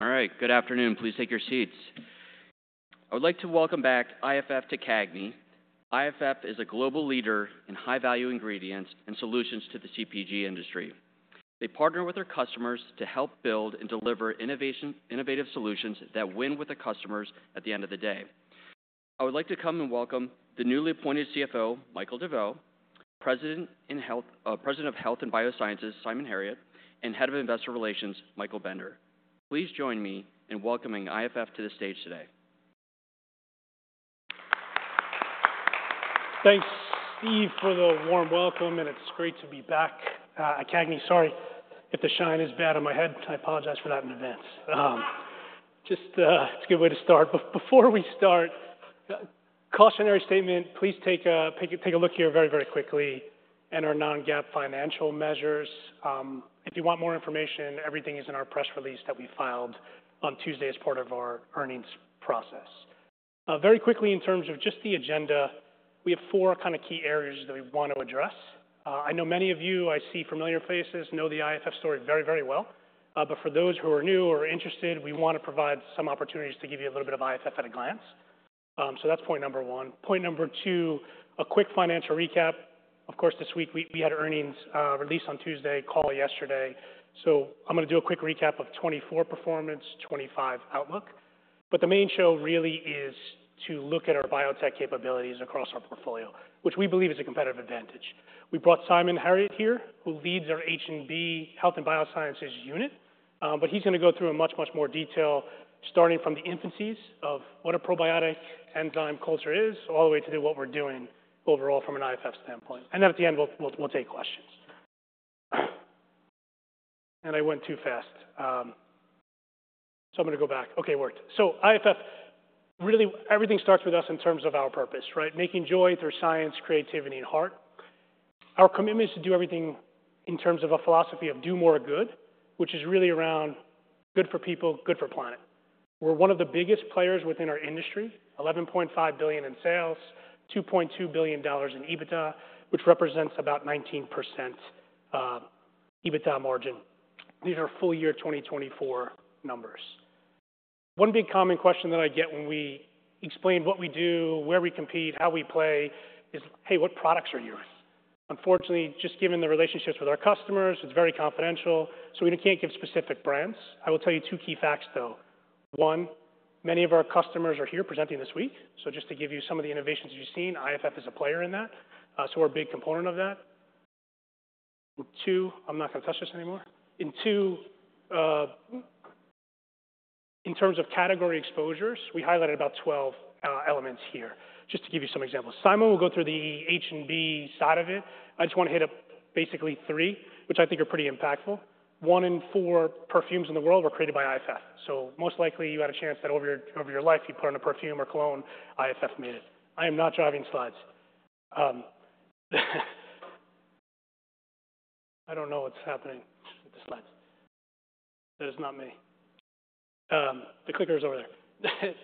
All right. Good afternoon. Please take your seats. I would like to welcome back IFF to CAGNY. IFF is a global leader in high-value ingredients and solutions to the CPG industry. They partner with their customers to help build and deliver innovative solutions that win with the customers at the end of the day. I would like to come and welcome the newly appointed CFO, Michael DeVeau, President of Health & Biosciences, Simon Herriott, and Head of Investor Relations, Michael Bender. Please join me in welcoming IFF to the stage today. Thanks, Steve, for the warm welcome, and it's great to be back at CAGNY. Sorry if the shine is bad on my head. I apologize for that in advance. Just, it's a good way to start. But before we start, cautionary statement: please take a look here very, very quickly at our non-GAAP financial measures. If you want more information, everything is in our press release that we filed on Tuesday as part of our earnings process. Very quickly, in terms of just the agenda, we have four kind of key areas that we want to address. I know many of you, I see familiar faces, know the IFF story very, very well. But for those who are new or interested, we want to provide some opportunities to give you a little bit of IFF at a glance. So that's point number one. Point number two, a quick financial recap. Of course, this week we had earnings released on Tuesday, call yesterday so I'm going to do a quick recap of 2024 performance, 2025 outlook, but the main show really is to look at our biotech capabilities across our portfolio, which we believe is a competitive advantage. We brought Simon Herriott here, who leads our H&B Health & Biosciences unit, but he's going to go through in much, much more detail, starting from the infancies of what a probiotic enzyme culture is, all the way to what we're doing overall from an IFF standpoint, and then at the end, we'll take questions, and I went too fast so I'm going to go back. Okay, it worked so IFF, really, everything starts with us in terms of our purpose, right? Making joy through science, creativity, and heart. Our commitment is to do everything in terms of a philosophy of do more good, which is really around good for people, good for planet. We're one of the biggest players within our industry: $11.5 billion in sales, $2.2 billion in EBITDA, which represents about 19% EBITDA margin. These are full-year 2024 numbers. One big common question that I get when we explain what we do, where we compete, how we play, is, "Hey, what products are yours?" Unfortunately, just given the relationships with our customers, it's very confidential, so we can't give specific brands. I will tell you two key facts, though. One, many of our customers are here presenting this week. So just to give you some of the innovations you've seen, IFF is a player in that, so we're a big component of that. And two, I'm not going to touch this anymore. In two, in terms of category exposures, we highlighted about 12 elements here, just to give you some examples. Simon will go through the H&B side of it. I just want to hit up basically three, which I think are pretty impactful. One in four perfumes in the world were created by IFF. So most likely, you had a chance that over your life, you put on a perfume or cologne, IFF made it. I am not driving slides. I don't know what's happening with the slides. That is not me. The clicker is over there.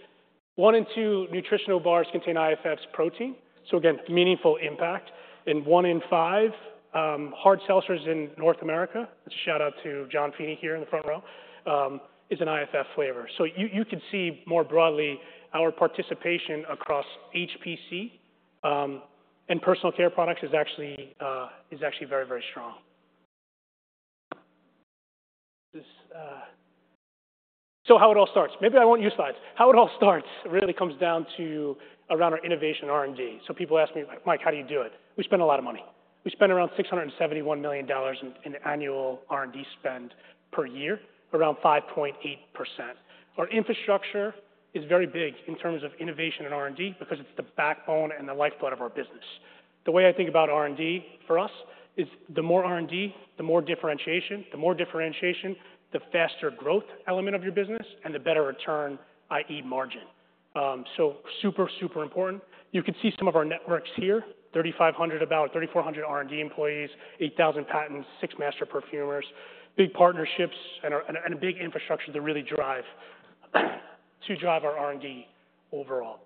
One in two nutritional bars contain IFF's protein. So again, meaningful impact. And one in five, hard seltzers in North America, that's a shout-out to John Feeney here in the front row, is an IFF flavor. So you can see more broadly our participation across HPC and personal care products is actually very, very strong. So how it all starts? Maybe I won't use slides. How it all starts really comes down to around our innovation and R&D. So people ask me, "Mike, how do you do it?" We spend a lot of money. We spend around $671 million in annual R&D spend per year, around 5.8%. Our infrastructure is very big in terms of innovation and R&D because it's the backbone and the lifeblood of our business. The way I think about R&D for us is the more R&D, the more differentiation. The more differentiation, the faster growth element of your business and the better return, i.e., margin. So super, super important. You can see some of our networks here: 3,500, about 3,400 R&D employees, 8,000 patents, six master perfumers, big partnerships, and a big infrastructure to really drive our R&D overall.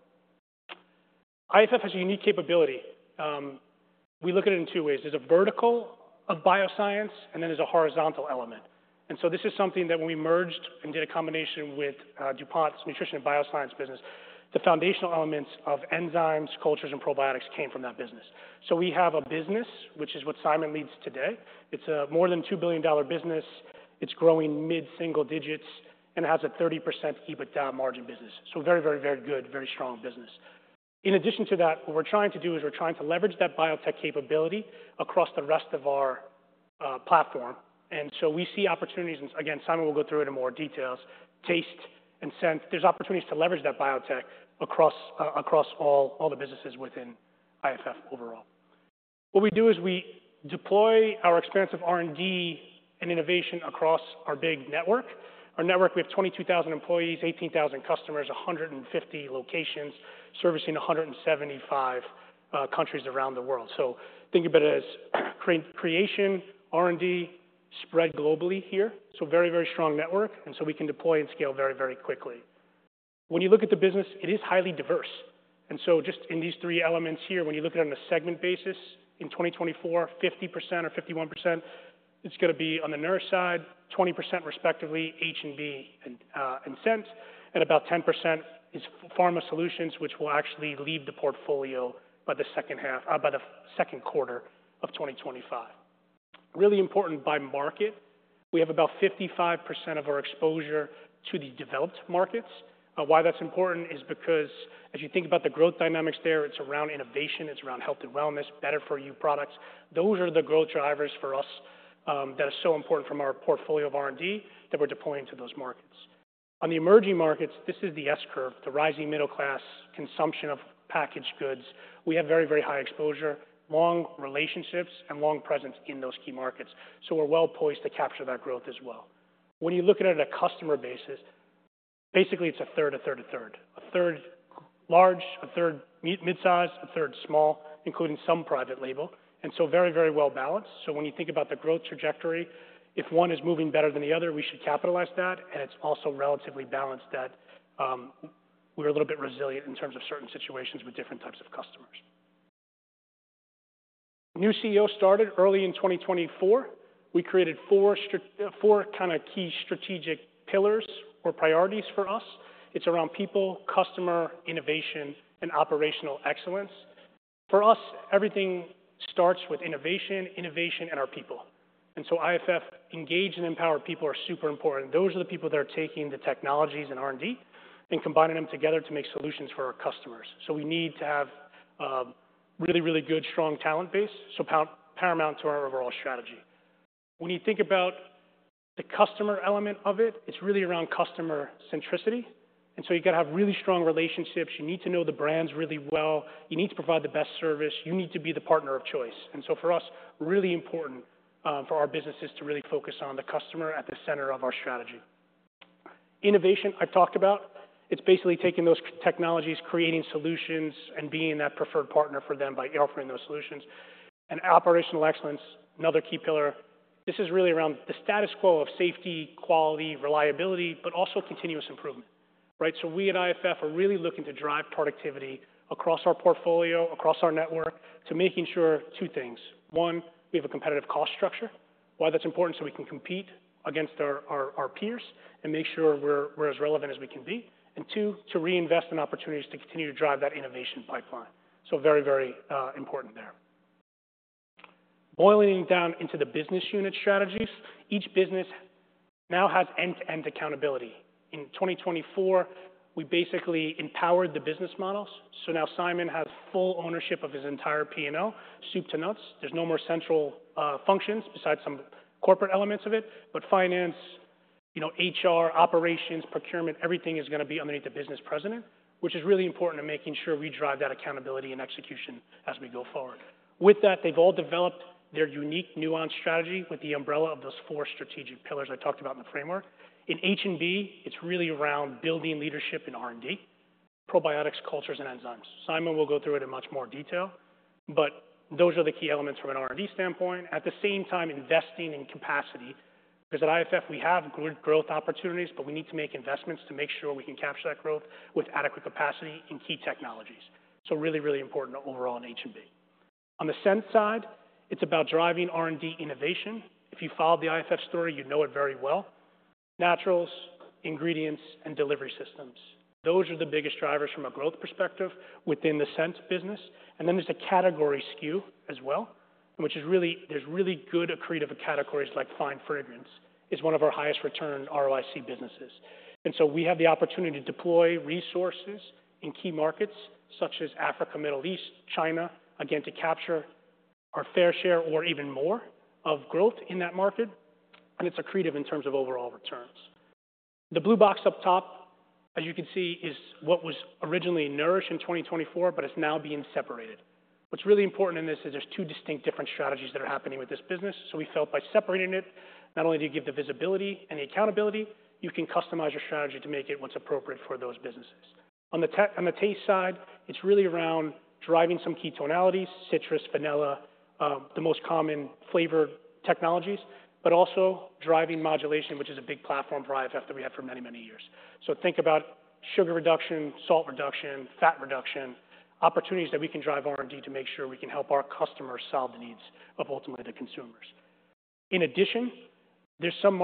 IFF has a unique capability. We look at it in two ways. There's a vertical of bioscience, and then there's a horizontal element. And so this is something that when we merged and did a combination with DuPont's Nutrition & Biosciences business, the foundational elements of enzymes, cultures, and probiotics came from that business. So we have a business, which is what Simon leads today. It's a more than $2 billion business. It's growing mid-single digits and has a 30% EBITDA margin business. So very, very, very good, very strong business. In addition to that, what we're trying to do is we're trying to leverage that biotech capability across the rest of our platform. And so we see opportunities, and again, Simon will go through it in more details, Taste, and Scent. There's opportunities to leverage that biotech across all the businesses within IFF overall. What we do is we deploy our expansive R&D and innovation across our big network. Our network, we have 22,000 employees, 18,000 customers, 150 locations, servicing 175 countries around the world. So think of it as creation, R&D, spread globally here. So very, very strong network, and so we can deploy and scale very, very quickly. When you look at the business, it is highly diverse. And so just in these three elements here, when you look at it on a segment basis, in 2024, 50% or 51%, it's going to be on the Nourish side, 20% respectively, H&B and Scent, and about 10% is Pharma Solutions, which will actually leave the portfolio by the second quarter of 2025. Really important by market, we have about 55% of our exposure to the developed markets. Why that's important is because as you think about the growth dynamics there, it's around innovation. It's around health and wellness, better-for-you products. Those are the growth drivers for us that are so important from our portfolio of R&D that we're deploying to those markets. On the emerging markets, this is the S curve, the rising middle-class consumption of packaged goods. We have very, very high exposure, long relationships, and long presence in those key markets. So we're well poised to capture that growth as well. When you look at it on a customer basis, basically it's a third, a third, a third. A third large, a third mid-size, a third small, including some private label. And so very, very well balanced. When you think about the growth trajectory, if one is moving better than the other, we should capitalize that. It's also relatively balanced that we're a little bit resilient in terms of certain situations with different types of customers. New CEO started early in 2024. We created four kind of key strategic pillars or priorities for us. It's around people, customer, innovation, and operational excellence. For us, everything starts with innovation, innovation, and our people. IFF engaged and empowered people are super important. Those are the people that are taking the technologies and R&D and combining them together to make solutions for our customers. We need to have a really, really good, strong talent base. Paramount to our overall strategy. When you think about the customer element of it, it's really around customer centricity. You've got to have really strong relationships. You need to know the brands really well. You need to provide the best service. You need to be the partner of choice. And so for us, it is really important for our businesses to really focus on the customer at the center of our strategy. Innovation, I've talked about. It's basically taking those technologies, creating solutions, and being that preferred partner for them by offering those solutions. And operational excellence, another key pillar. This is really around the status quo of safety, quality, reliability, but also continuous improvement, right? So we at IFF are really looking to drive productivity across our portfolio, across our network, to make sure two things. One, we have a competitive cost structure. Why that's important? So we can compete against our peers and make sure we're as relevant as we can be. And two, to reinvest in opportunities to continue to drive that innovation pipeline. So very, very important there. Boiling down into the business unit strategies, each business now has end-to-end accountability. In 2024, we basically empowered the business models. So now Simon has full ownership of his entire P&L, soup to nuts. There's no more central functions besides some corporate elements of it. But finance, HR, operations, procurement, everything is going to be underneath the business president, which is really important in making sure we drive that accountability and execution as we go forward. With that, they've all developed their unique nuanced strategy with the umbrella of those four strategic pillars I talked about in the framework. In H&B, it's really around building leadership in R&D, probiotics, cultures, and enzymes. Simon will go through it in much more detail. But those are the key elements from an R&D standpoint. At the same time, investing in capacity because at IFF, we have growth opportunities, but we need to make investments to make sure we can capture that growth with adequate capacity in key technologies. So really, really important overall in H&B. On the Scent side, it's about driving R&D innovation. If you followed the IFF story, you know it very well. Naturals, ingredients, and delivery systems. Those are the biggest drivers from a growth perspective within the Scent business. And then there's a category skew as well, which is really, there's really good accretive of categories like fine fragrance. It's one of our highest return ROIC businesses. And so we have the opportunity to deploy resources in key markets such as Africa, Middle East, China, again, to capture our fair share or even more of growth in that market. And it's accretive in terms of overall returns. The blue box up top, as you can see, is what was originally Nourish in 2024, but it's now being separated. What's really important in this is there's two distinct different strategies that are happening with this business. So we felt by separating it, not only do you give the visibility and the accountability, you can customize your strategy to make it what's appropriate for those businesses. On the Taste side, it's really around driving some key tonalities, citrus, vanilla, the most common flavor technologies, but also driving modulation, which is a big platform for IFF that we have for many, many years. So think about sugar reduction, salt reduction, fat reduction, opportunities that we can drive R&D to make sure we can help our customers solve the needs of ultimately the consumers. In addition, there's some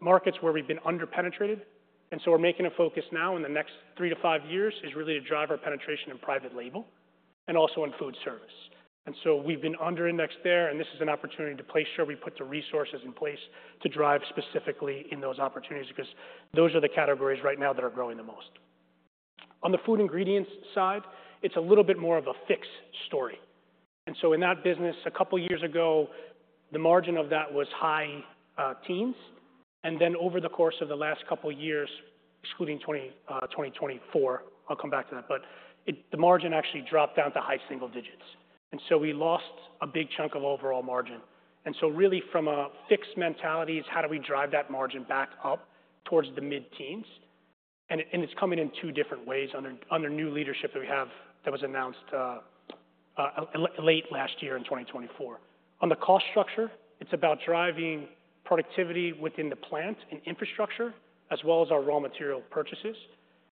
markets where we've been underpenetrated. And so, we're making a focus now in the next three to five years is really to drive our penetration in private label and also in food service. And so, we've been under-indexed there, and this is an opportunity to make sure we put the resources in place to drive specifically in those opportunities because those are the categories right now that are growing the most. On the Food Ingredients side, it's a little bit more of a mixed story. And so, in that business, a couple of years ago, the margin of that was high-teens. And then, over the course of the last couple of years, excluding 2024, I'll come back to that, but the margin actually dropped down to high single digits. And so, we lost a big chunk of overall margin. And so, really, from a fixed mentality, is how do we drive that margin back up towards the mid-teens? And it's coming in two different ways under new leadership that we have that was announced late last year in 2024. On the cost structure, it's about driving productivity within the plant and infrastructure as well as our raw material purchases.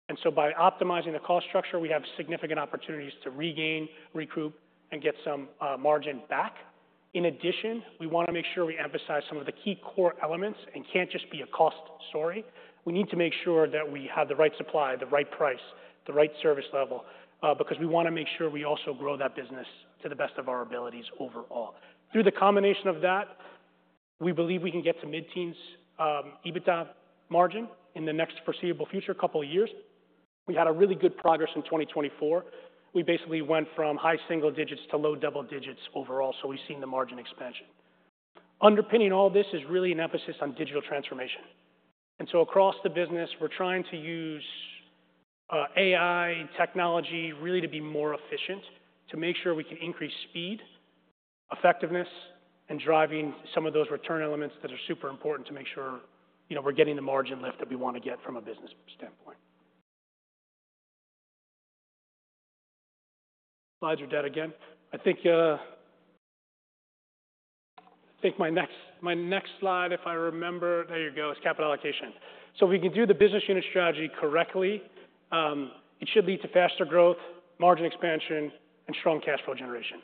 And so by optimizing the cost structure, we have significant opportunities to regain, recoup, and get some margin back. In addition, we want to make sure we emphasize some of the key core elements and can't just be a cost story. We need to make sure that we have the right supply, the right price, the right service level because we want to make sure we also grow that business to the best of our abilities overall. Through the combination of that, we believe we can get to mid-teens EBITDA margin in the next foreseeable future, a couple of years. We had a really good progress in 2024. We basically went from high single digits to low double digits overall. So we've seen the margin expansion. Underpinning all this is really an emphasis on digital transformation. And so across the business, we're trying to use AI technology really to be more efficient to make sure we can increase speed, effectiveness, and driving some of those return elements that are super important to make sure we're getting the margin lift that we want to get from a business standpoint. Slides are dead again. I think my next slide, if I remember, there you go, is capital allocation. So if we can do the business unit strategy correctly, it should lead to faster growth, margin expansion, and strong cash flow generation.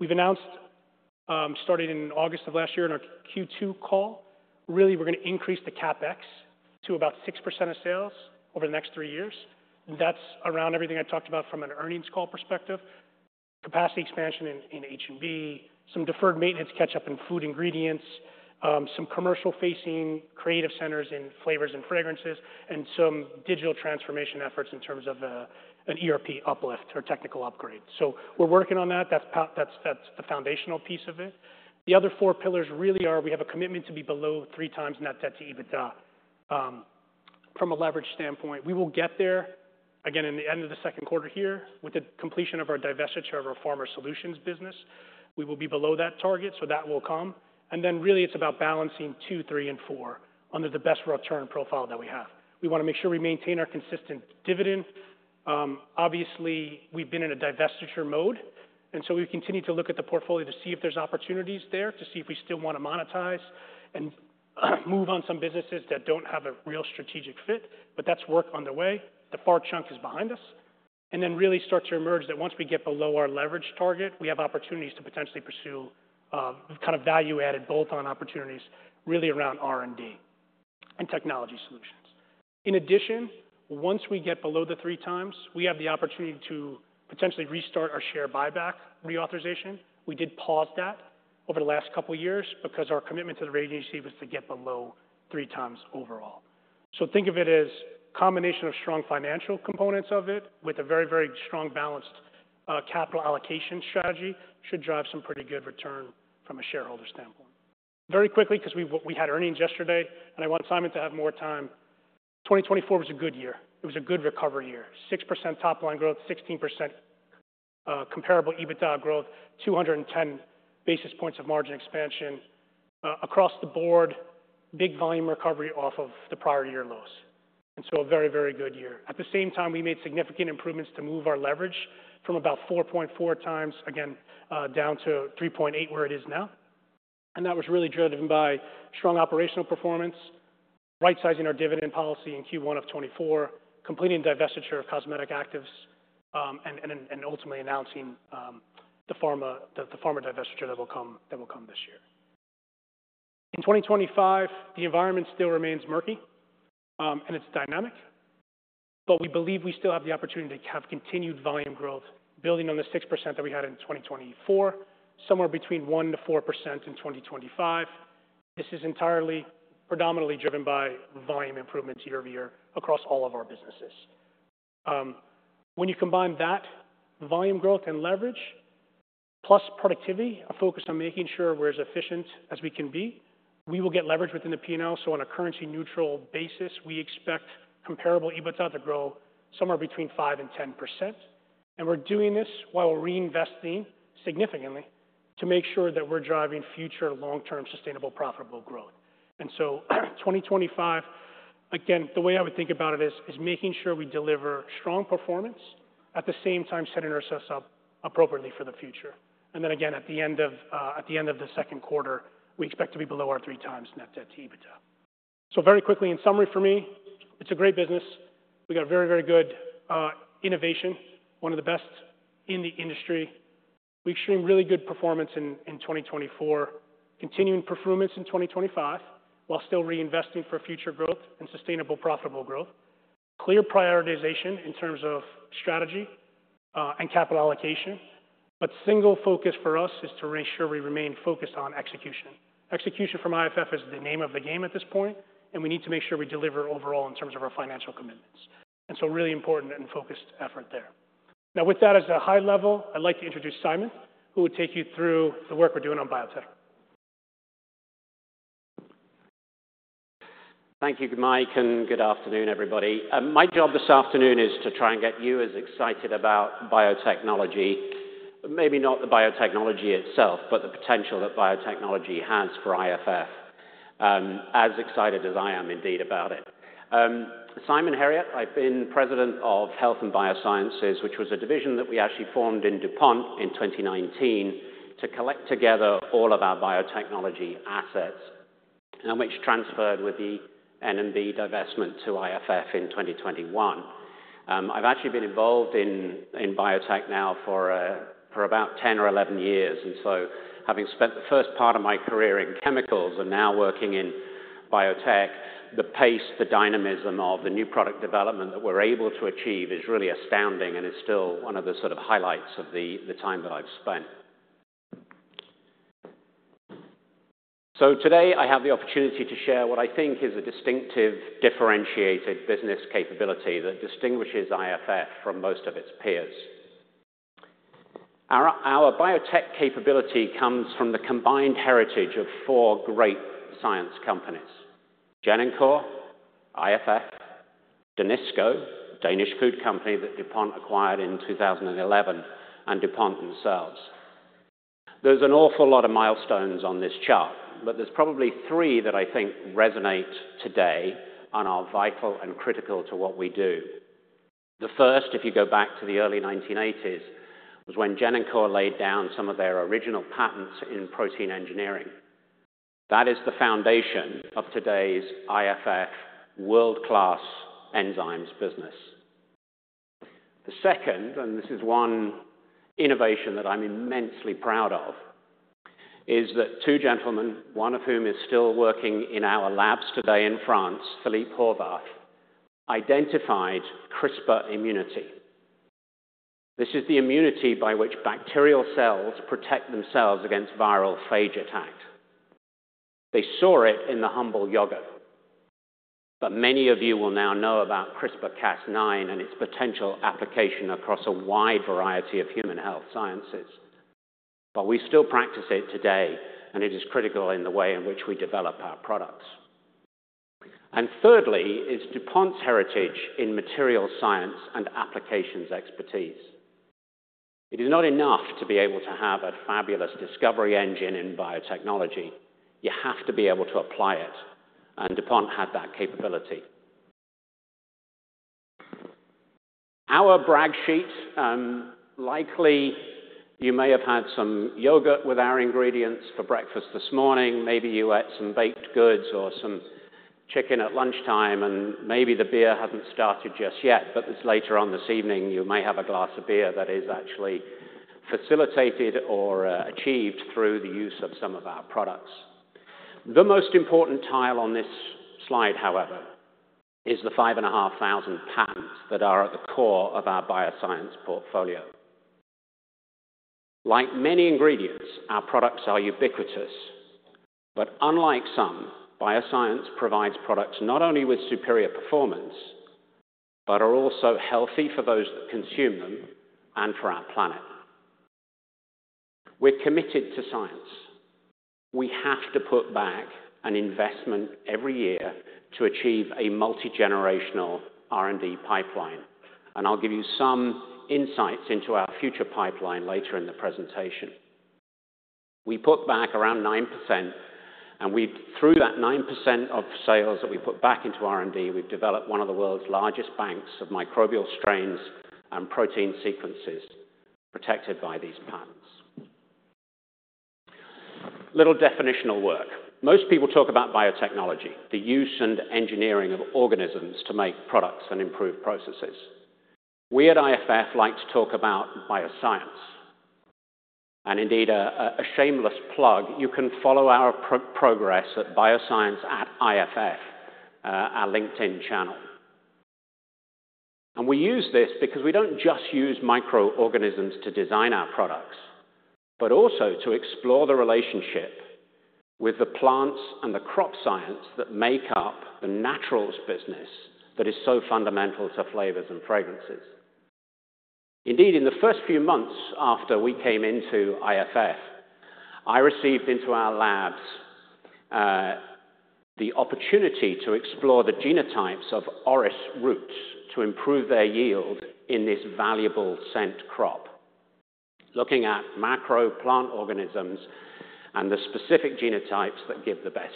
We've announced starting in August of last year in our Q2 call, really we're going to increase the CapEx to about 6% of sales over the next three years. And that's around everything I talked about from an earnings call perspective, capacity expansion in H&B, some deferred maintenance catch-up in Food Ingredients, some commercial-facing creative centers in flavors and fragrances, and some digital transformation efforts in terms of an ERP uplift or technical upgrade. So we're working on that. That's the foundational piece of it. The other four pillars really are we have a commitment to be below three times net debt to EBITDA from a leverage standpoint. We will get there, again, in the end of the second quarter here with the completion of our divestiture of our Pharma Solutions business. We will be below that target, so that will come, and then really it's about balancing two, three, and four under the best return profile that we have. We want to make sure we maintain our consistent dividend. Obviously, we've been in a divestiture mode, and so we continue to look at the portfolio to see if there's opportunities there, to see if we still want to monetize and move on some businesses that don't have a real strategic fit, but that's work underway. The far chunk is behind us, and then really start to emerge that once we get below our leverage target, we have opportunities to potentially pursue kind of value-added bolt-on opportunities really around R&D and technology solutions. In addition, once we get below the three times, we have the opportunity to potentially restart our share buyback reauthorization. We did pause that over the last couple of years because our commitment to the rating agencies was to get below three times overall. So think of it as a combination of strong financial components of it with a very, very strong balanced capital allocation strategy should drive some pretty good return from a shareholder standpoint. Very quickly, because we had earnings yesterday, and I want Simon to have more time. 2024 was a good year. It was a good recovery year. 6% top-line growth, 16% comparable EBITDA growth, 210 basis points of margin expansion across the board, big volume recovery off of the prior year lows. And so a very, very good year. At the same time, we made significant improvements to move our leverage from about 4.4 times, again, down to 3.8 where it is now. That was really driven by strong operational performance, right-sizing our dividend policy in Q1 of 2024, completing divestiture of cosmetic actives, and ultimately announcing the Pharma Divestiture that will come this year. In 2025, the environment still remains murky and it's dynamic, but we believe we still have the opportunity to have continued volume growth, building on the 6% that we had in 2024, somewhere between 1%-4% in 2025. This is entirely predominantly driven by volume improvements year-over-year across all of our businesses. When you combine that volume growth and leverage plus productivity, a focus on making sure we're as efficient as we can be, we will get leverage within the P&L. So, on a currency-neutral basis, we expect comparable EBITDA to grow somewhere between 5% and 10%. And we're doing this while reinvesting significantly to make sure that we're driving future long-term sustainable profitable growth. And so, 2025, again, the way I would think about it is making sure we deliver strong performance at the same time, setting ourselves up appropriately for the future. And then again, at the end of the second quarter, we expect to be below our three times net debt to EBITDA. So very quickly, in summary for me, it's a great business. We got very, very good innovation, one of the best in the industry. We've seen really good performance in 2024, continuing performance in 2025 while still reinvesting for future growth and sustainable profitable growth. Clear prioritization in terms of strategy and capital allocation. But single focus for us is to make sure we remain focused on execution. Execution from IFF is the name of the game at this point, and we need to make sure we deliver overall in terms of our financial commitments. And so really important and focused effort there. Now, with that as a high level, I'd like to introduce Simon, who will take you through the work we're doing on biotech. Thank you, Mike, and good afternoon, everybody. My job this afternoon is to try and get you as excited about biotechnology, maybe not the biotechnology itself, but the potential that biotechnology has for IFF. As excited as I am, indeed, about it. Simon Herriott, I've been President of Health and Biosciences, which was a division that we actually formed in DuPont in 2019 to collect together all of our biotechnology assets, which transferred with the N&B divestment to IFF in 2021. I've actually been involved in biotech now for about 10 or 11 years. And so having spent the first part of my career in chemicals and now working in biotech, the pace, the dynamism of the new product development that we're able to achieve is really astounding and is still one of the sort of highlights of the time that I've spent. So today, I have the opportunity to share what I think is a distinctive differentiated business capability that distinguishes IFF from most of its peers. Our biotech capability comes from the combined heritage of four great science companies: Genencor, IFF, Danisco, Danish food company that DuPont acquired in 2011, and DuPont themselves. There's an awful lot of milestones on this chart, but there's probably three that I think resonate today and are vital and critical to what we do. The first, if you go back to the early 1980s, was when Genencor laid down some of their original patents in protein engineering. That is the foundation of today's IFF world-class enzymes business. The second, and this is one innovation that I'm immensely proud of, is that two gentlemen, one of whom is still working in our labs today in France, Philippe Horvath, identified CRISPR immunity. This is the immunity by which bacterial cells protect themselves against viral phage attack. They saw it in the humble yogurt. But many of you will now know about CRISPR-Cas9 and its potential application across a wide variety of human health sciences. But we still practice it today, and it is critical in the way in which we develop our products. And thirdly is DuPont's heritage in material science and applications expertise. It is not enough to be able to have a fabulous discovery engine in biotechnology. You have to be able to apply it, and DuPont had that capability. Our brag sheet, likely you may have had some yogurt with our ingredients for breakfast this morning. Maybe you ate some baked goods or some chicken at lunchtime, and maybe the beer hasn't started just yet, but later on this evening, you may have a glass of beer that is actually facilitated or achieved through the use of some of our products. The most important tile on this slide, however, is the five and a half thousand patents that are at the core of our bioscience portfolio. Like many ingredients, our products are ubiquitous. But unlike some, bioscience provides products not only with superior performance, but are also healthy for those that consume them and for our planet. We're committed to science. We have to put back an investment every year to achieve a multi-generational R&D pipeline. And I'll give you some insights into our future pipeline later in the presentation. We put back around 9%, and through that 9% of sales that we put back into R&D, we've developed one of the world's largest banks of microbial strains and protein sequences protected by these patents. Little definitional work. Most people talk about biotechnology, the use and engineering of organisms to make products and improve processes. We at IFF like to talk about bioscience. And indeed, a shameless plug, you can follow our progress at bioscience@iff, our LinkedIn channel. And we use this because we don't just use microorganisms to design our products, but also to explore the relationship with the plants and the crop science that make up the naturals business that is so fundamental to flavors and fragrances. Indeed, in the first few months after we came into IFF, I received into our labs the opportunity to explore the genotypes of orris roots to improve their yield in this valuable scent crop, looking at macro plant organisms and the specific genotypes that give the best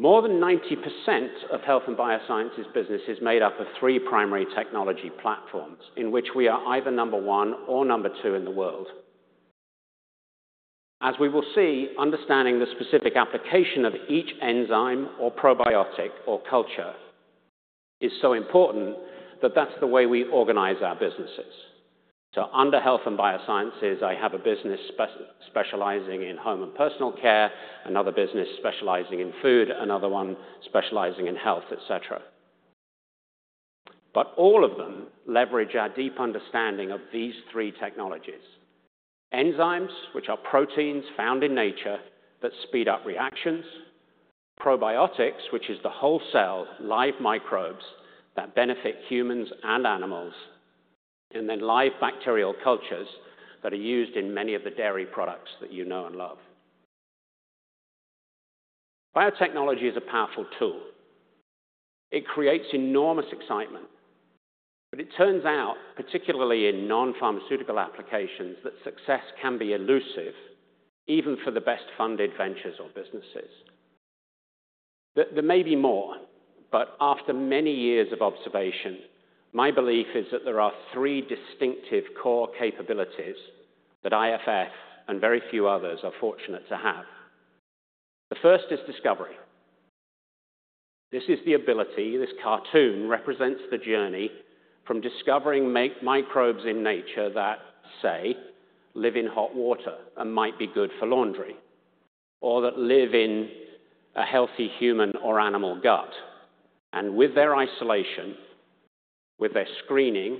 yield. More than 90% of health and biosciences businesses made up of three primary technology platforms in which we are either number one or number two in the world. As we will see, understanding the specific application of each enzyme or probiotic or culture is so important that that's the way we organize our businesses. So under health and biosciences, I have a business specializing in home and personal care, another business specializing in food, another one specializing in health, et cetera. But all of them leverage our deep understanding of these three technologies: enzymes, which are proteins found in nature that speed up reactions, probiotics, which is the whole cell live microbes that benefit humans and animals, and then live bacterial cultures that are used in many of the dairy products that you know and love. Biotechnology is a powerful tool. It creates enormous excitement. But it turns out, particularly in non-pharmaceutical applications, that success can be elusive, even for the best-funded ventures or businesses. There may be more, but after many years of observation, my belief is that there are three distinctive core capabilities that IFF and very few others are fortunate to have. The first is discovery. This is the ability, this cartoon represents the journey from discovering microbes in nature that, say, live in hot water and might be good for laundry, or that live in a healthy human or animal gut, and with their isolation, with their screening,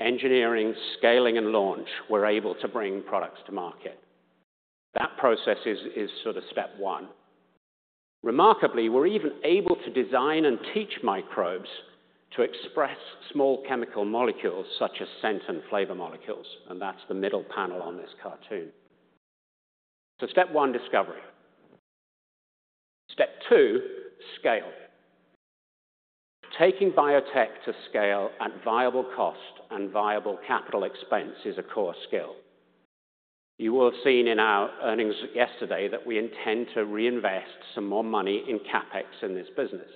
engineering, scaling, and launch, we're able to bring products to market. That process is sort of step one. Remarkably, we're even able to design and teach microbes to express small chemical molecules such as scent and flavor molecules, and that's the middle panel on this cartoon, so step one, discovery. Step two, scale. Taking biotech to scale at viable cost and viable capital expense is a core skill. You will have seen in our earnings yesterday that we intend to reinvest some more money in CapEx in this business,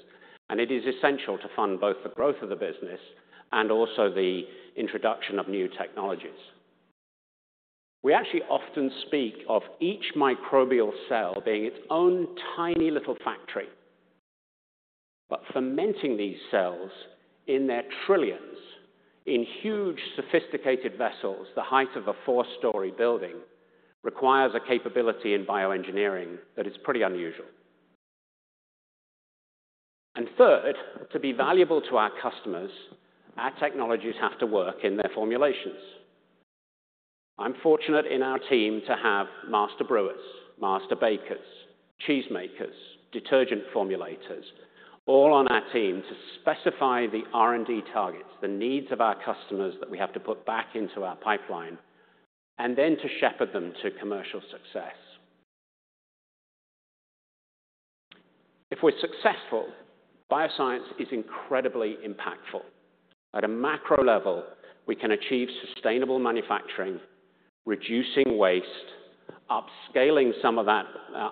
and it is essential to fund both the growth of the business and also the introduction of new technologies. We actually often speak of each microbial cell being its own tiny little factory, but fermenting these cells in their trillions in huge sophisticated vessels, the height of a four-story building, requires a capability in bioengineering that is pretty unusual, and third, to be valuable to our customers, our technologies have to work in their formulations. I'm fortunate in our team to have master brewers, master bakers, cheese makers, detergent formulators, all on our team to specify the R&D targets, the needs of our customers that we have to put back into our pipeline, and then to shepherd them to commercial success. If we're successful, bioscience is incredibly impactful. At a macro level, we can achieve sustainable manufacturing, reducing waste, upscaling some of that,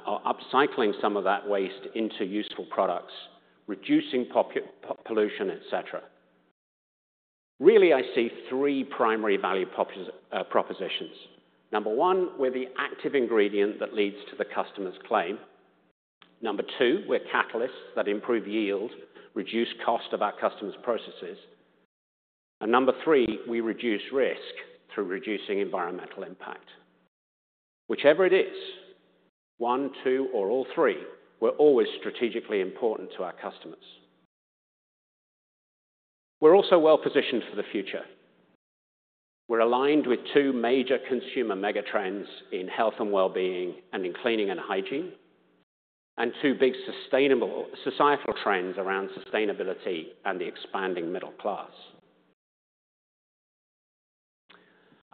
or upcycling some of that waste into useful products, reducing pollution, et cetera. Really, I see three primary value propositions. Number one, we're the active ingredient that leads to the customer's claim. Number two, we're catalysts that improve yield, reduce cost of our customers' processes. And number three, we reduce risk through reducing environmental impact. Whichever it is, one, two, or all three, we're always strategically important to our customers. We're also well-positioned for the future. We're aligned with two major consumer megatrends in health and well-being and in cleaning and hygiene, and two big societal trends around sustainability and the expanding middle class.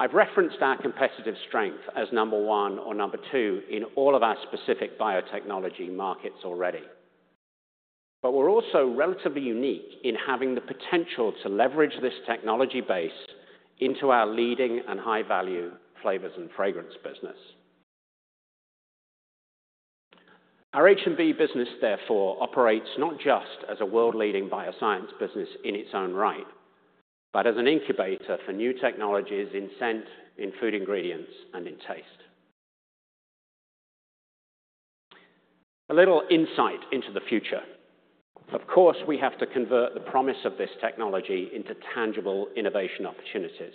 I've referenced our competitive strength as number one or number two in all of our specific biotechnology markets already. But we're also relatively unique in having the potential to leverage this technology base into our leading and high-value flavors and fragrance business. Our H&B business, therefore, operates not just as a world-leading bioscience business in its own right, but as an incubator for new technologies in Scent, in Food Ingredients, and in Taste. A little insight into the future. Of course, we have to convert the promise of this technology into tangible innovation opportunities.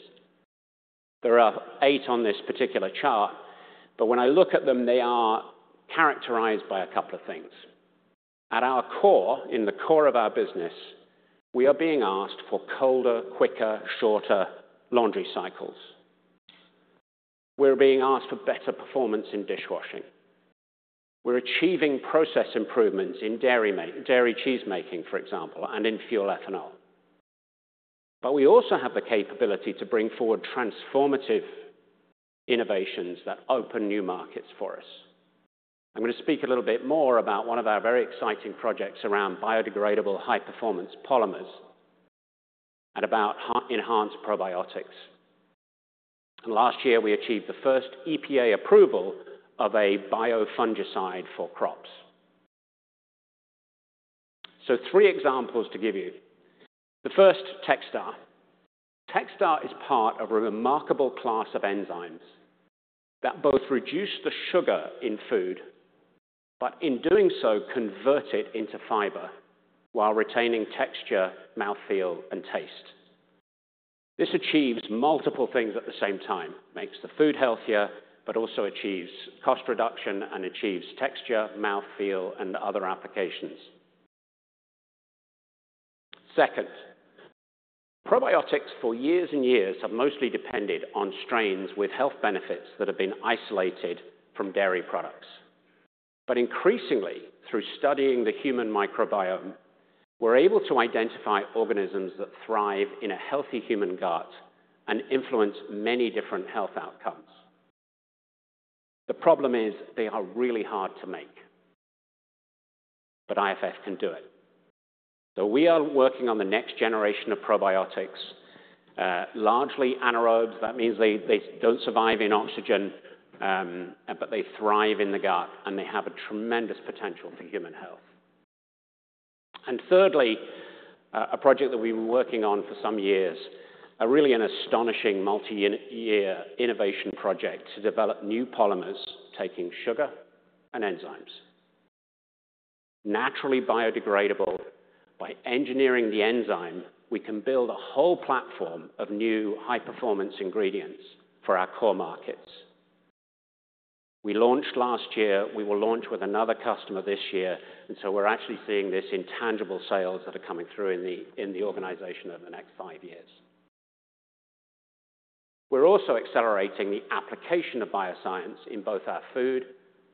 There are eight on this particular chart, but when I look at them, they are characterized by a couple of things. At our core, in the core of our business, we are being asked for colder, quicker, shorter laundry cycles. We're being asked for better performance in dishwashing. We're achieving process improvements in dairy cheese making, for example, and in fuel ethanol. But we also have the capability to bring forward transformative innovations that open new markets for us. I'm going to speak a little bit more about one of our very exciting projects around biodegradable high-performance polymers and about enhanced probiotics. And last year, we achieved the first EPA approval of a biofungicide for crops. So three examples to give you. The first, TexStar. TexStar is part of a remarkable class of enzymes that both reduce the sugar in food, but in doing so, convert it into fiber while retaining texture, mouthfeel, and taste. This achieves multiple things at the same time: makes the food healthier, but also achieves cost reduction and achieves texture, mouthfeel, and other applications. Second, probiotics for years and years have mostly depended on strains with health benefits that have been isolated from dairy products. But increasingly, through studying the human microbiome, we're able to identify organisms that thrive in a healthy human gut and influence many different health outcomes. The problem is they are really hard to make. But IFF can do it. So we are working on the next generation of probiotics, largely anaerobes. That means they don't survive in oxygen, but they thrive in the gut, and they have a tremendous potential for human health. And thirdly, a project that we've been working on for some years, a really astonishing multi-year innovation project to develop new polymers taking sugar and enzymes. Naturally biodegradable, by engineering the enzyme, we can build a whole platform of new high-performance ingredients for our core markets. We launched last year. We will launch with another customer this year. We're actually seeing this in tangible sales that are coming through in the organization over the next five years. We're also accelerating the application of bioscience in both our food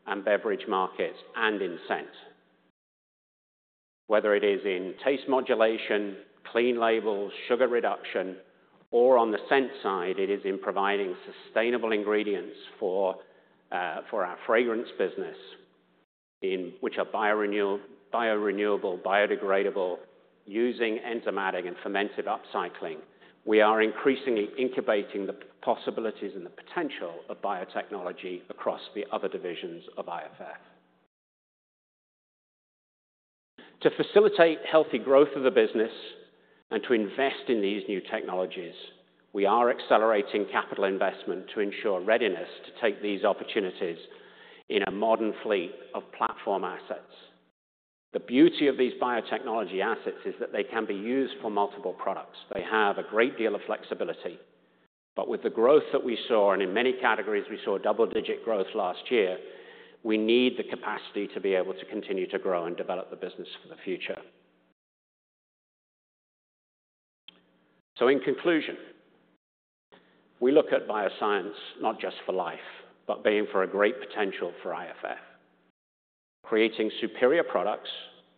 and beverage markets and in Scent. Whether it is in taste modulation, clean labels, sugar reduction, or on the Scent side, it is in providing sustainable ingredients for our fragrance business, which are biorenewable, biodegradable, using enzymatic and fermented upcycling. We are increasingly incubating the possibilities and the potential of biotechnology across the other divisions of IFF. To facilitate healthy growth of the business and to invest in these new technologies, we are accelerating capital investment to ensure readiness to take these opportunities in a modern fleet of platform assets. The beauty of these biotechnology assets is that they can be used for multiple products. They have a great deal of flexibility. But with the growth that we saw, and in many categories, we saw double-digit growth last year, we need the capacity to be able to continue to grow and develop the business for the future. So in conclusion, we look at Bioscience not just for life, but being for a great potential for IFF. Creating superior products,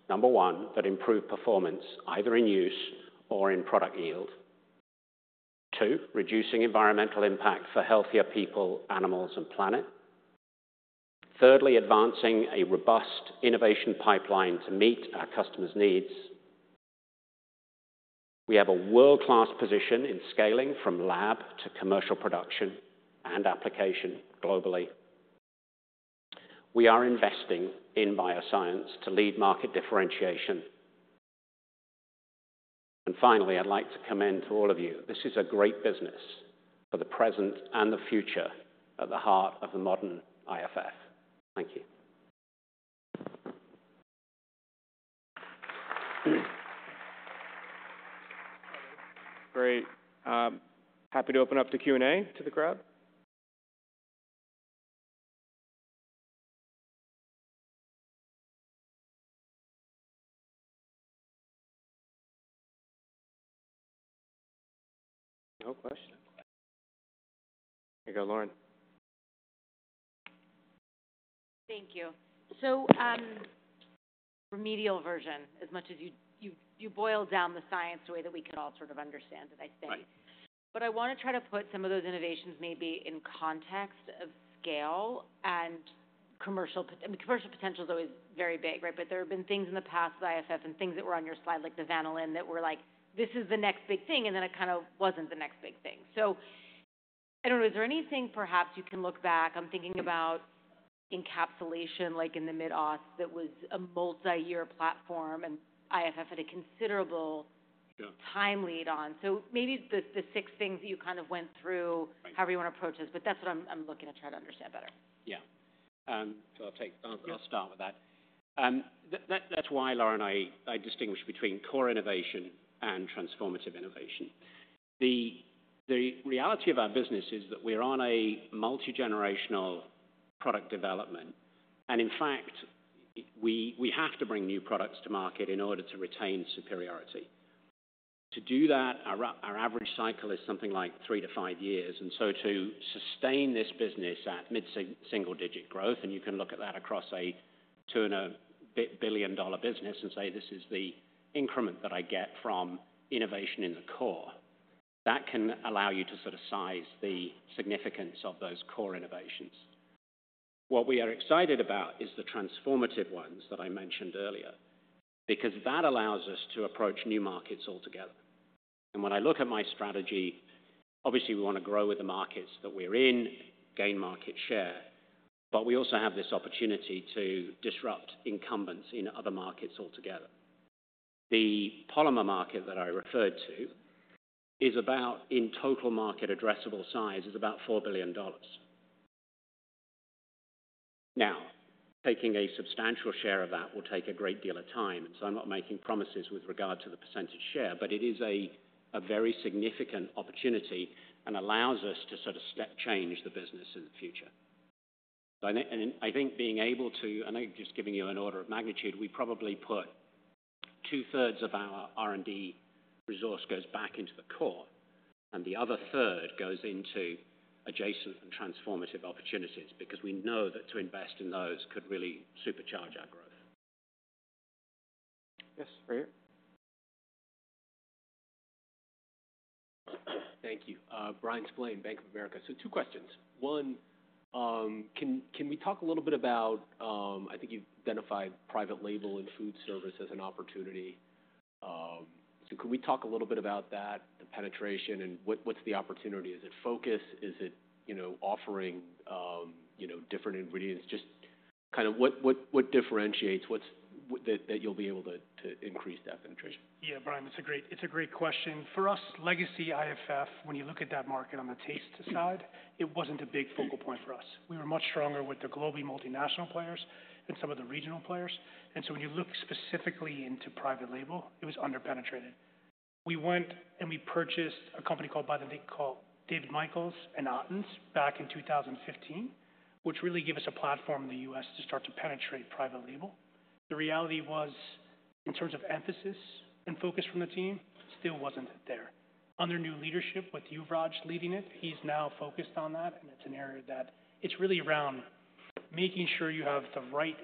number one, that improve performance either in use or in product yield. Two, reducing environmental impact for healthier people, animals, and planet. Thirdly, advancing a robust innovation pipeline to meet our customers' needs. We have a world-class position in scaling from lab to commercial production and application globally. We are investing in Bioscience to lead market differentiation. And finally, I'd like to commend to all of you, this is a great business for the present and the future at the heart of the modern IFF. Thank you. Great. Happy to open up the Q&A to the crowd. No question. Here you go, Lauren. Thank you. So, remedial version, as much as you boil down the science the way that we can all sort of understand it, I think. But I want to try to put some of those innovations maybe in context of scale and commercial. I mean, commercial potential is always very big, right? But there have been things in the past with IFF and things that were on your slide, like the Vanillin, that were like, "This is the next big thing," and then it kind of wasn't the next big thing. So I don't know, is there anything perhaps you can look back? I'm thinking about encapsulation, like in the mid-80s that was a multi-year platform, and IFF had a considerable time lead on. So maybe the six things that you kind of went through, however you want to approach this, but that's what I'm looking to try to understand better. Yeah. So I'll start with that. That's why Lauren and I distinguish between core innovation and transformative innovation. The reality of our business is that we're on a multi-generational product development. And in fact, we have to bring new products to market in order to retain superiority. To do that, our average cycle is something like three to five years. And so to sustain this business at mid-single-digit growth, and you can look at that across a $200 billion business and say, "This is the increment that I get from innovation in the core," that can allow you to sort of size the significance of those core innovations. What we are excited about is the transformative ones that I mentioned earlier, because that allows us to approach new markets altogether. When I look at my strategy, obviously, we want to grow with the markets that we're in, gain market share, but we also have this opportunity to disrupt incumbents in other markets altogether. The polymer market that I referred to is about, in total market addressable size, $4 billion. Now, taking a substantial share of that will take a great deal of time, so I'm not making promises with regard to the percentage share, but it is a very significant opportunity and allows us to sort of change the business in the future. I think being able to, and I'm just giving you an order of magnitude, we probably put two-thirds of our R&D resource goes back into the core, and the other third goes into adjacent and transformative opportunities, because we know that to invest in those could really supercharge our growth. Yes, right here. Thank you. Bryan Spillane, Bank of America. So, two questions. One, can we talk a little bit about, I think you've identified private label and food service as an opportunity? So can we talk a little bit about that, the penetration, and what's the opportunity? Is it focus? Is it offering different ingredients? Just kind of what differentiates that you'll be able to increase that penetration? Yeah, Bryan, it's a great question. For us, legacy IFF, when you look at that market on the Taste side, it wasn't a big focal point for us. We were much stronger with the global multinational players and some of the regional players, and so when you look specifically into private label, it was underpenetrated. We went and we purchased a company called by the name David Michael and Ottens back in 2015, which really gave us a platform in the U.S. to start to penetrate private label. The reality was, in terms of emphasis and focus from the team, still wasn't there. Under new leadership with Yuvraj leading it, he's now focused on that, and it's an area that it's really around making sure you have the right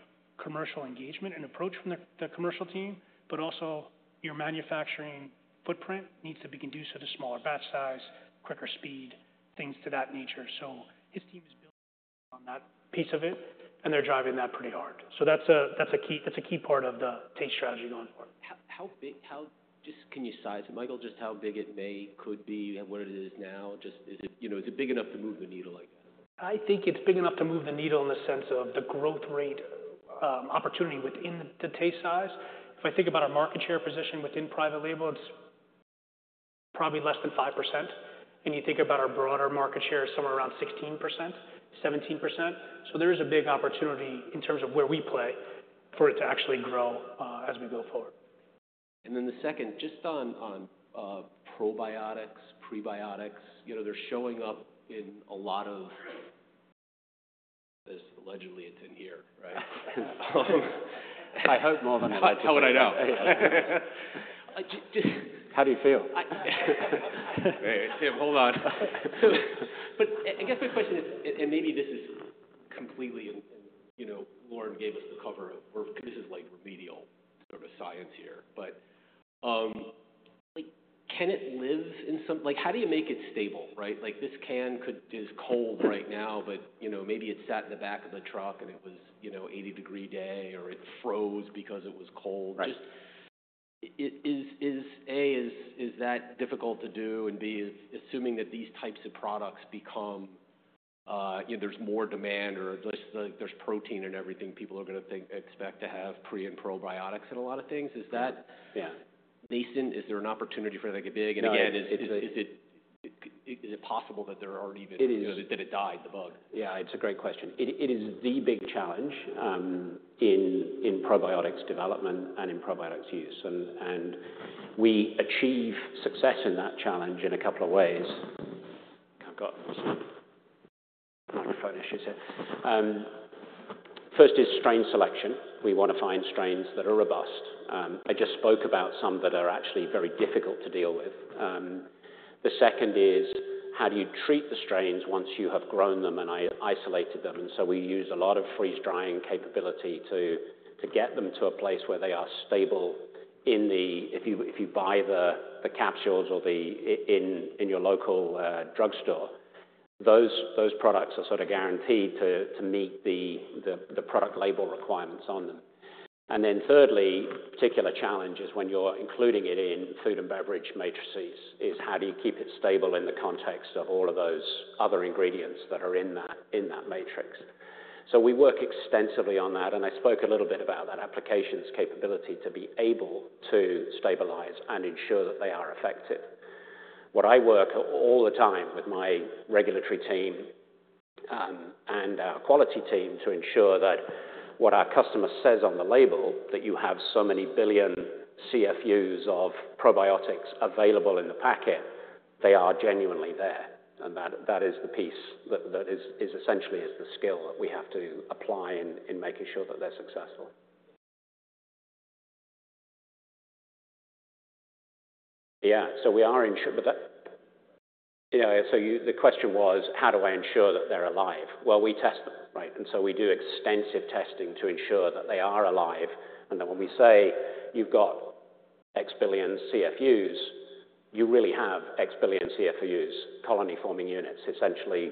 commercial engagement and approach from the commercial team, but also your manufacturing footprint needs to be conducive to smaller batch size, quicker speed, things to that nature, so his team is building on that piece of it, and they're driving that pretty hard. So that's a key part of the Taste strategy going forward. How big can you size it? Michael, just how big it may could be and what it is now? Is it big enough to move the needle like that? I think it's big enough to move the needle in the sense of the growth rate opportunity within the Taste size. If I think about our market share position within private label, it's probably less than 5%. And you think about our broader market share, it's somewhere around 16%-17%. So there is a big opportunity in terms of where we play for it to actually grow as we go forward. And then the second, just on probiotics, prebiotics, they're showing up in a lot of allegedly it's in here, right? I hope more than I like to see. That's how would I know. How do you feel? Steve, hold on. But I guess my question is, and maybe this is completely, and Lauren gave us the overview of this is like remedial sort of science here, but can it live? In some, how do you make it stable, right? This can is cold right now, but maybe it sat in the back of the truck and it was 80-degree day or it froze because it was cold. Just A, is that difficult to do? And B, assuming that these types of products become, there's more demand or there's protein and everything, people are going to expect to have prebiotics and probiotics in a lot of things. Is that nascent? Is there an opportunity for that to get big? And again, is it possible that there are already, that it died, the bug? Yeah, it's a great question. It is the big challenge in probiotics development and in probiotics use, and we achieve success in that challenge in a couple of ways. I've got microphone issues here. First is strain selection. We want to find strains that are robust. I just spoke about some that are actually very difficult to deal with. The second is, how do you treat the strains once you have grown them and isolated them, and so we use a lot of freeze-drying capability to get them to a place where they are stable in the product. If you buy the capsules in your local drugstore, those products are sort of guaranteed to meet the product label requirements on them. And then, thirdly, particular challenge is when you're including it in food and beverage matrices: is how do you keep it stable in the context of all of those other ingredients that are in that matrix? So we work extensively on that. And I spoke a little bit about that application's capability to be able to stabilize and ensure that they are effective. What I work all the time with my regulatory team and our quality team to ensure that what our customer says on the label, that you have so many billion CFUs of probiotics available in the packet, they are genuinely there. And that is the piece that is essentially the skill that we have to apply in making sure that they're successful. Yeah. So we are in, but so the question was, how do I ensure that they're alive? Well, we test them, right? And so we do extensive testing to ensure that they are alive. And then when we say you've got X billion CFUs, you really have X billion CFUs, colony-forming units, essentially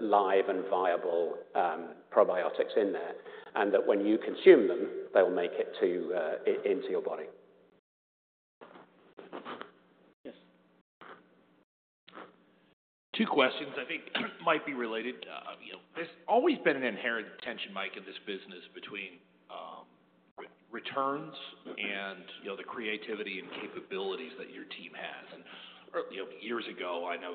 live and viable probiotics in there, and that when you consume them, they'll make it into your body. Yes. Two questions I think might be related. There's always been an inherent tension, Mike, in this business between returns and the creativity and capabilities that your team has. And years ago, I know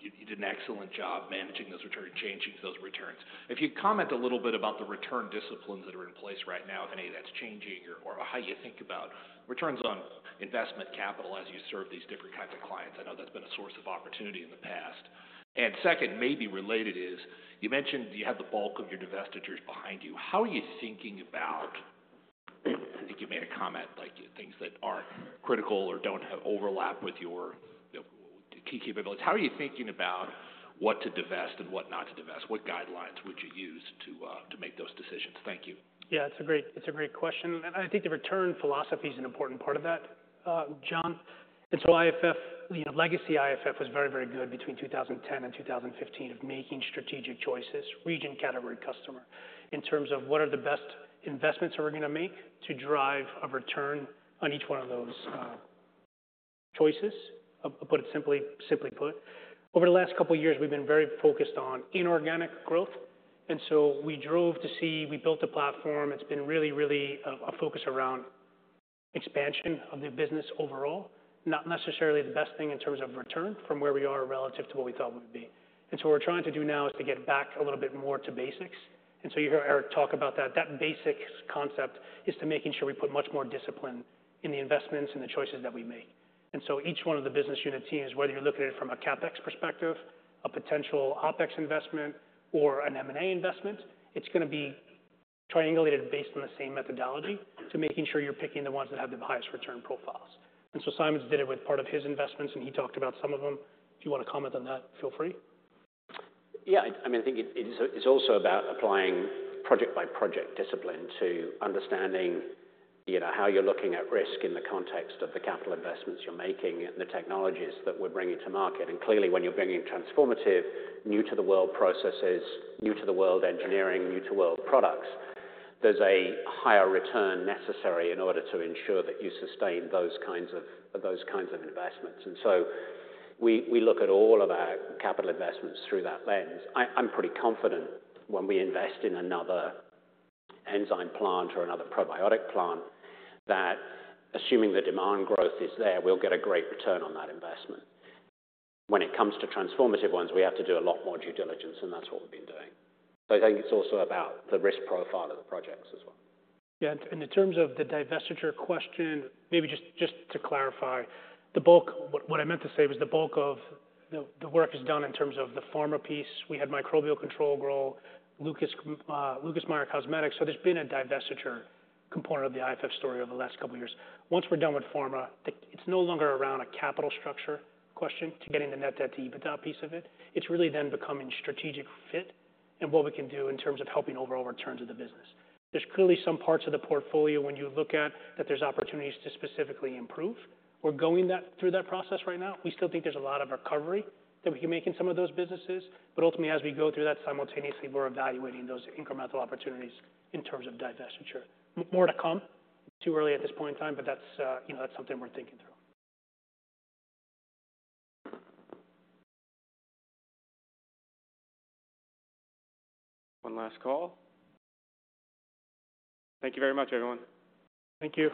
you did an excellent job managing those returns, changing those returns. If you comment a little bit about the return disciplines that are in place right now, if any of that's changing, or how you think about returns on investment capital as you serve these different kinds of clients, I know that's been a source of opportunity in the past. And second, maybe related is, you mentioned you have the bulk of your divestitures behind you. How are you thinking about? I think you made a comment, things that aren't critical or don't overlap with your key capabilities. How are you thinking about what to divest and what not to divest? What guidelines would you use to make those decisions? Thank you. Yeah, it's a great question. And I think the return philosophy is an important part of that, John. And so IFF, legacy IFF was very, very good between 2010 and 2015 of making strategic choices, region, category, customer, in terms of what are the best investments that we're going to make to drive a return on each one of those choices, put it simply put. Over the last couple of years, we've been very focused on inorganic growth. And so we drove to see we built a platform. It's been really, really a focus around expansion of the business overall, not necessarily the best thing in terms of return from where we are relative to what we thought we would be. And so what we're trying to do now is to get back a little bit more to basics. And so you hear Erik talk about that. That basic concept is to making sure we put much more discipline in the investments and the choices that we make. And so each one of the business unit teams, whether you're looking at it from a CapEx perspective, a potential OpEx investment, or an M&A investment, it's going to be triangulated based on the same methodology to making sure you're picking the ones that have the highest return profiles. And so Simon's did it with part of his investments, and he talked about some of them. If you want to comment on that, feel free. Yeah. I mean, I think it's also about applying project-by-project discipline to understanding how you're looking at risk in the context of the capital investments you're making and the technologies that we're bringing to market. And clearly, when you're bringing transformative, new-to-the-world processes, new-to-the-world engineering, new-to-the-world products, there's a higher return necessary in order to ensure that you sustain those kinds of investments. And so we look at all of our capital investments through that lens. I'm pretty confident when we invest in another enzyme plant or another probiotic plant that assuming the demand growth is there, we'll get a great return on that investment. When it comes to transformative ones, we have to do a lot more due diligence, and that's what we've been doing. So I think it's also about the risk profile of the projects as well. Yeah. In terms of the divestiture question, maybe just to clarify, what I meant to say was the bulk of the work is done in terms of the Pharma piece. We had Microbial Control growth, Lucas Meyer Cosmetics. So there's been a divestiture component of the IFF story over the last couple of years. Once we're done with Pharma, it's no longer around a capital structure question to getting the net debt to EBITDA piece of it. It's really then becoming strategic fit and what we can do in terms of helping overall returns of the business. There's clearly some parts of the portfolio when you look at that there's opportunities to specifically improve. We're going through that process right now. We still think there's a lot of recovery that we can make in some of those businesses. But ultimately, as we go through that, simultaneously, we're evaluating those incremental opportunities in terms of divestiture. More to come. It's too early at this point in time, but that's something we're thinking through. One last call. Thank you very much, everyone. Thank you.